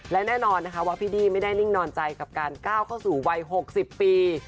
และแน่นอนนะคะว่าพี่ดี้ไม่ได้นิ่งนอนใจกับการก้าวเข้าสู่วัย๖๐ปี